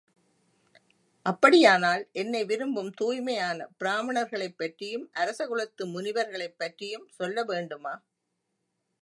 அப்படியானால் என்னை விரும்பும் தூய்மையான பிராமணர்களைப் பற்றியும் அரசகுலத்து முனிவர்களைப் பற்றியும் சொல்ல வேண்டுமா?